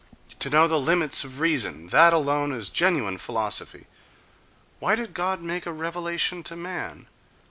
To know the limits of reason—that alone is genuine philosophy.... Why did God make a revelation to man?